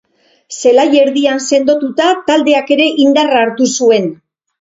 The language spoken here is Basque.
Zelai erdian sendotuta taldeak ere indarra hartu zuen.